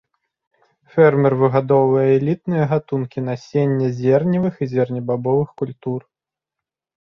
Фермер выгадоўвае элітныя гатункі насення зерневых і зернебабовых культур.